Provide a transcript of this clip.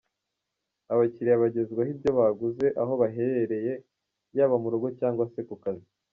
Abakiriya bagezwaho ibyo baguze aho baherereye yaba mu rugo cyangwa se ku kazi.